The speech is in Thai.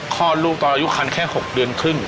คลอดลูกตอนอายุคันแค่๖เดือนครึ่ง